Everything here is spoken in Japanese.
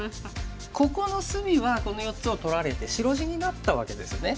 ここの隅はこの４つを取られて白地になったわけですね。